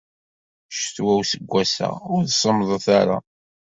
Ccetwa useggas-a ur semmḍet ara.